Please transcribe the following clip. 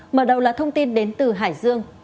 mở đầu là thông tin đến từ hải dương